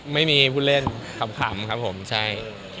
ไม่มีผู้เล่นขำครับผมใช่